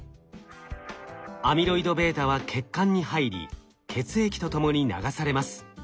アミロイドβは血管に入り血液とともに流されます。